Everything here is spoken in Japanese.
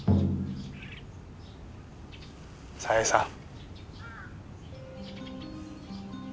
紗絵さん。